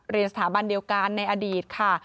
สถาบันเดียวกันในอดีตค่ะ